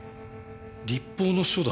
律法の書だ。